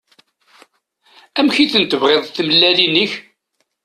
Amek i ten-tebɣiḍ tmellalin-ik?